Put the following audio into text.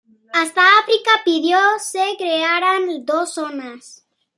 Hasta África pidió se crearan dos zonas.